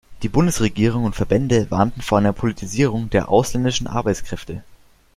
Die Bundesregierung und Verbände warnten vor einer „Politisierung“ der ausländischen Arbeitskräfte.